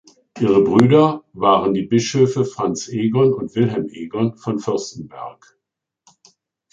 Ihre Brüder waren die Bischöfe Franz Egon und Wilhelm Egon von Fürstenberg.